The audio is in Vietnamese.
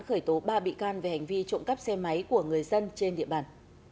khởi tố ba bị can về hành vi trộm cắp xe máy của người dân trên địa bàn